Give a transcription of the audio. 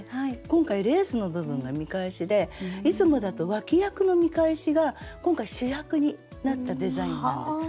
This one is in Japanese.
今回レースの部分が見返しでいつもだと脇役の見返しが今回主役になったデザインなんです。